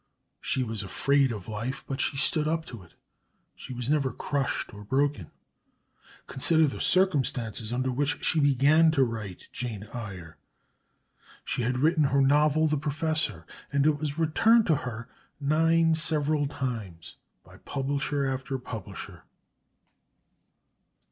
She was afraid of life, but she stood up to it; she was never crushed or broken. Consider the circumstances under which she began to write Jane Eyre. She had written her novel The Professor, and it was returned to her nine several times, by publisher after publisher.